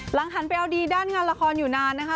หันไปเอาดีด้านงานละครอยู่นานนะคะ